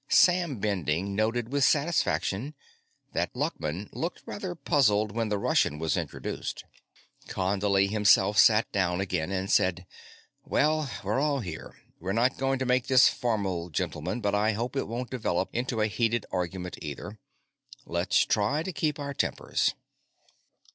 Sam Bending noted with satisfaction that Luckman looked rather puzzled when the Russian was introduced. Condley himself sat down again, and said: "Well, we're all here. We're not going to make this formal, gentlemen, but I hope it won't develop into a heated argument, either. Let's try to keep our tempers."